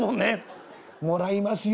もらいますよ。